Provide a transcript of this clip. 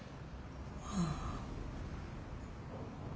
ああ。